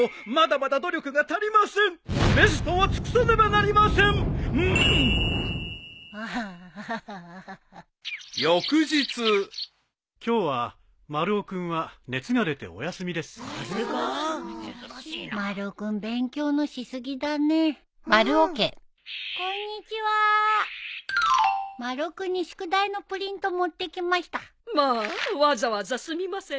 まあわざわざすみません